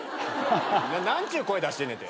何ちゅう声出してんねん。